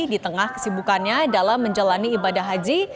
di tengah kesibukannya dalam menjalani ibadah haji